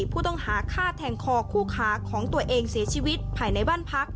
ผู้ต้องหาฆ่าแทงคอคู่ขาของตัวเองเสียชีวิตภายในบ้านพัก